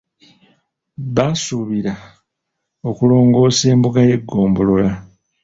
Basuubira okulongoosa embuga y’eggombolola.